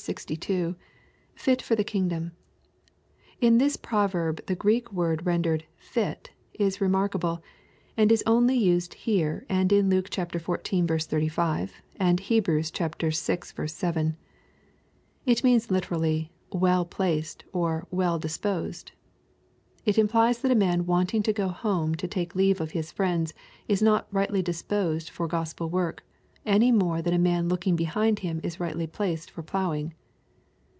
— [Mi for the kingdom,] In this proverb the Greek word ren dered " fit)" is remarkable, and only used here and Luke xiv. 35, and Heb. yl 7. It means literally, " well placed," or " well disposed." It implies that a man wanting to go home to take leave of his fiiends is not rightly disposed for Gospel work, any more than a man looking behmd him is rightly placed for plough ing.